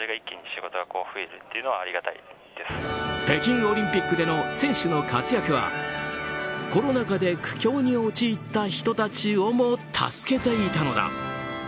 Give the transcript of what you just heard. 北京オリンピックでの選手の活躍はコロナ禍で苦境に陥った人たちをも助けていたのだ。